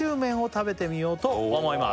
「食べてみようと思います」